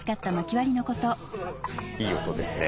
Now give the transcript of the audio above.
いい音ですね。